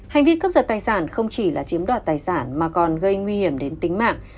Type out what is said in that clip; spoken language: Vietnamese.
hành vi cướp giật tài sản không chỉ là chiếm đoạt tài sản mà còn gây nguy hiểm đến tính mạng